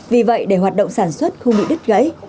vì vậy để hoạt động sản xuất không bị đứt gãy